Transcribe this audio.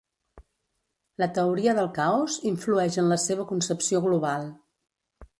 La teoria del caos influeix en la seva concepció global.